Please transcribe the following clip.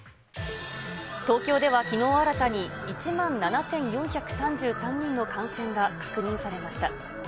東京ではきのう新たに、１万７４３３人の感染が確認されました。